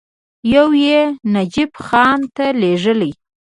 یو یې نجف خان ته لېږلی.